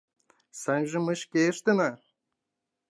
Сайжым ме шке ыштена!..